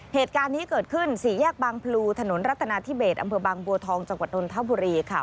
เหตุการณ์นี้เกิดขึ้นสี่แยกบางพลูถนนรัฐนาธิเบสอำเภอบางบัวทองจังหวัดนทบุรีค่ะ